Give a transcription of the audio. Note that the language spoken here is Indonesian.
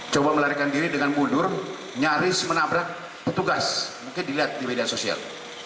coba melarikan diri dengan mundur nyaris menabrak petugas mungkin dilihat di media sosial